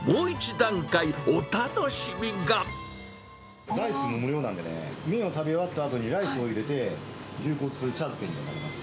実は、ライスも無料なんでね、麺を食べ終わったあとにライスを入れて、牛骨茶漬けになります。